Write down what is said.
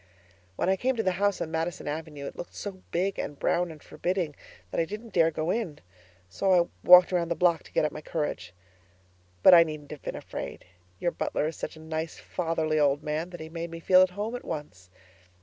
When I came to the house on Madison Avenue it looked so big and brown and forbidding that I didn't dare go in, so I walked around the block to get up my courage. But I needn't have been a bit afraid; your butler is such a nice, fatherly old man that he made me feel at home at once.